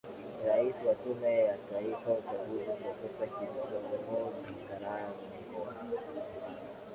rais wa tume ya taifa uchaguzi profesa kirisorogi karangwa